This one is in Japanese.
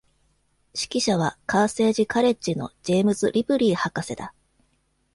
指揮者は、カーセージ・カレッジのジェームズ・リプリー博士だ。